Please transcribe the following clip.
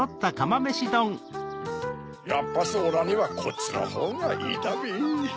やっぱしオラにはこっちのほうがいいだべ！